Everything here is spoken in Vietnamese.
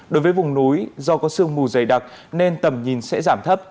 đối với vùng núi do có sương mù dày đặc nên tầm nhìn sẽ giảm thấp